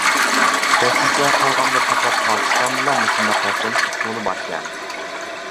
تەكشۈرۈشلەرگە قارىغاندا پەقەت پاكىستاندىلا مۇشۇنداق ھەق ئېلىش ئۇسۇلى باركەن.